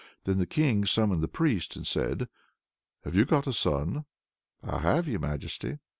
Then the king summoned the priest, and said "Have you got a son?" "I have, your majesty."